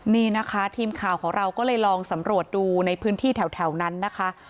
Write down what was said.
นี่นะคะทีมข่าวของเราก็เลยลองสำรวจดูในพื้นที่แถวนั้นนะคะ